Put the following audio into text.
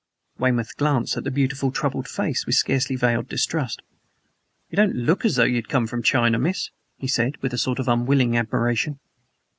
Weymouth glanced at the beautiful, troubled face with scarcely veiled distrust. "You don't look as though you had come from China, miss," he said, with a sort of unwilling admiration.